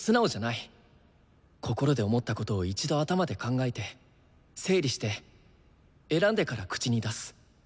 心で思ったことを一度頭で考えて整理して選んでから口に出す。